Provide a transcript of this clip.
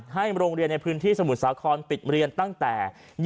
โรงเรียนในพื้นที่สมุทรสาครปิดเรียนตั้งแต่